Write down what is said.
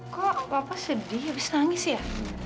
kok bapak sedih habis nangis ya